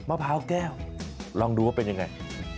พร้าวแก้วลองดูว่าเป็นยังไง